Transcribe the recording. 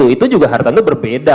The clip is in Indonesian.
itu juga artanto berbeda